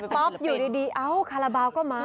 ป๊อปอยู่ดีเอ้าคาราบาลก็มา